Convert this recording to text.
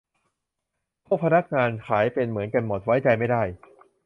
พวกพนักงานขายเป็นเหมือนกันหมด ไว้ใจไม่ได้